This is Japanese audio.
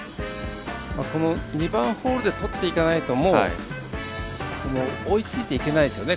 ２番ホールでとっていかないともう追いついていけないですよね